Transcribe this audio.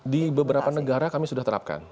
di beberapa negara kami sudah terapkan